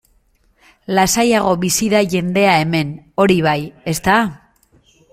Lasaiago bizi da jendea hemen, hori bai, ezta?